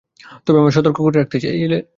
তবে আমায় সতর্ক করে রাখতে চাইছিলে?